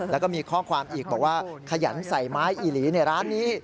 แล้วก็มีข้อความอีกบอกว่าขยันใส่ไม้อีหลีในร้านนี้